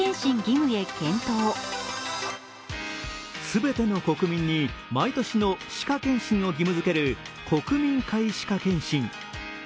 全ての国民に毎年の歯科検診を義務づける国民皆歯科検診。